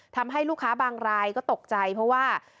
ทำให้ลูกค้าบางรายก็ตกใจเพราะว่า